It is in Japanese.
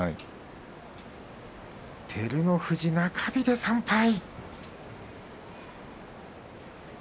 照ノ富士が中日で３敗。